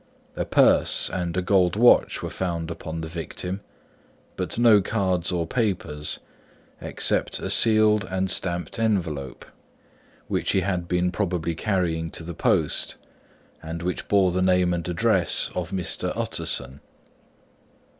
A purse and gold watch were found upon the victim: but no cards or papers, except a sealed and stamped envelope, which he had been probably carrying to the post, and which bore the name and address of Mr. Utterson.